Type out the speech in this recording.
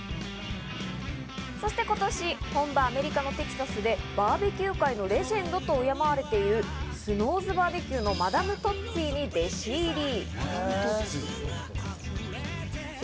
そして今年、本場アメリカのテキサスでバーベキュー界のレジェンドと言われているＳｎｏｗ’ｓＢＢＱのトッツィーに弟子入り。